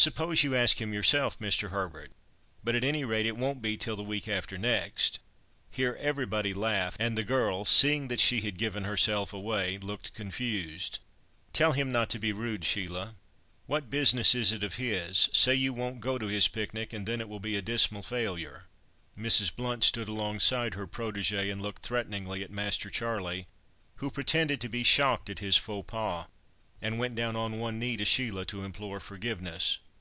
"Suppose you ask him yourself, Mr. Herbert? But, at any rate, it won't be till the week after next." Here everybody laughed, and the girl, seeing that she had "given herself away," looked confused. "Tell him not to be rude, Sheila. What business is it of his? Say you won't go to his picnic, and then it will be a dismal failure." Mrs. Blount stood alongside her protégée and looked threateningly at Master Charlie, who pretended to be shocked at his faux pas, and went down on one knee to Sheila to implore forgiveness.